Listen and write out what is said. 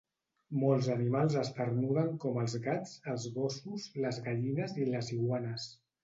Molts animals esternuden com el gats, els gossos, les gallines i les iguanes.